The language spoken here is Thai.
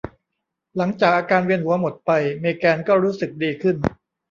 หลังจากอาการเวียนหัวหมดไป เมแกนก็รู้สึกดีขึ้น